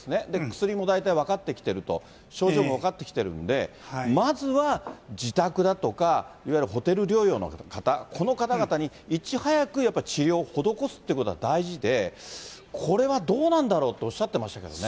薬も大体分かってきていると、症状も分かってきてるんで、まずは自宅だとか、いわゆるホテル療養の方、この方々にいち早くやっぱり治療を施すということは大事で、これはどうなんだろうとおっしゃってましたけどね。